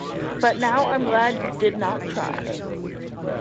But now, I’m glad you did not try.